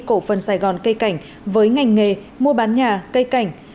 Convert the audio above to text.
cổ phần sài gòn cây cảnh với ngành nghề mua bán nhà cây cảnh